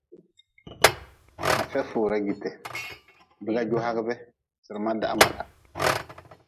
Afia fura jite, biga ju hagʼbe, Sirma dah mala.